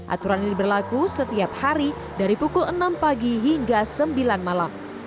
aturan ini berlaku setiap hari dari pukul enam pagi hingga sembilan malam